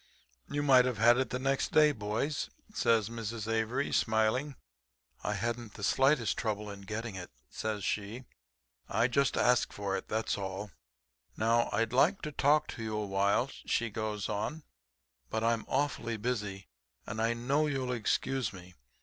"'You might have had it the next day, boys,' says Mrs. Avery, smiling. 'I hadn't the slightest trouble in getting it,' says she. 'I just asked for it, that's all. Now, I'd like to talk to you a while,' she goes on, 'but I'm awfully busy, and I know you'll excuse me.